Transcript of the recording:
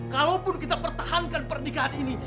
kalaupun kita pertahankan pernikahan ini